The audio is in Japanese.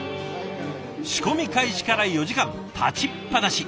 仕込み開始から４時間立ちっぱなし。